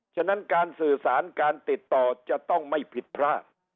ฉะนั้นการสื่อสารการติดต่อจะต้องไม่ผิดพลาด